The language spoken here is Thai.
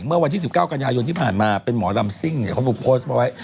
เมื่อวันที่๑๙กันยายนที่ผ่านมาเป็นหมอลำซิ่งเนี่ยเขามาโพสต์เอาไว้